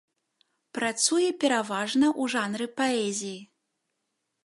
Працуе пераважна ў жанры паэзіі.